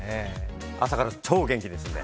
朝から超元気ですね。